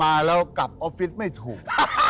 มาแล้วกลับออฟฟิศไม่ถูก